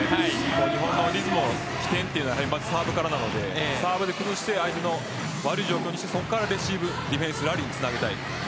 日本のリズムの起点というのはサーブからなのでサーブで崩して相手を悪い状況にしてそこからレシーブディフェンスラリーにつなげたい。